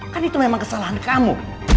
kan itu memang kesalahan kamu